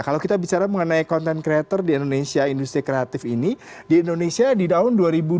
kalau kita bicara mengenai content creator di indonesia industri kreatif ini di indonesia di tahun dua ribu dua puluh